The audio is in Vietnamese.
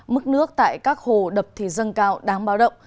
mức nước tại các hồ đập thì dâng cao đáng báo động